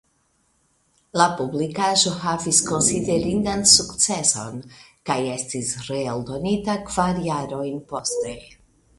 La publikaĵo havis konsiderindan sukceson kaj estis reeldonita kvar jarojn poste.